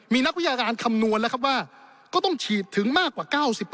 มีนักวิชาการคำนวณแล้วครับว่าก็ต้องฉีดถึงมากกว่า๙๐